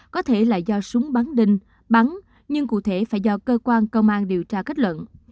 có thể là do súng bắn đinh bắn nhưng cụ thể phải do cơ quan công an điều tra kết luận